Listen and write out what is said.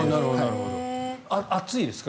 暑いですか？